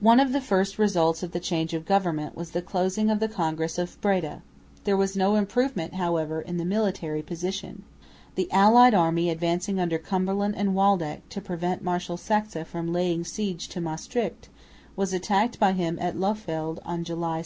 One of the first results of the change of government was the closing of the Congress of Breda. There was no improvement, however, in the military position. The allied army advancing under Cumberland and Waldeck, to prevent Marshal Saxe from laying siege to Maestricht, was attacked by him at Lauffeldt on July 2.